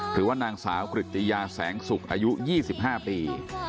หรือนางสาวกฤติยาแสงสุขอายุ๒๕ปี